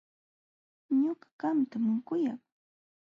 Ñuqa qamtam kuyak.